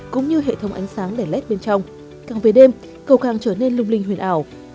cũng như hệ thống ánh sáng đèn led bên trong càng về đêm cầu càng trở nên lung linh huyền ảo